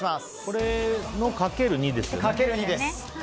これのかける２ですよね。